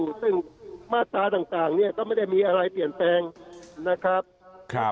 ซึ่งมาตราต่างนี่ก็ไม่ได้มีอะไรเปลี่ยนแปลงนะครับ